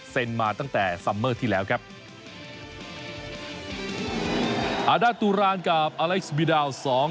เซ็นมาตั้งแต่ที่แล้วครับอาดาตุรานกับอาเล็กซ์บีดาวสอง